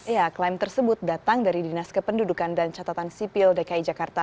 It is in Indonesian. ya klaim tersebut datang dari dinas kependudukan dan catatan sipil dki jakarta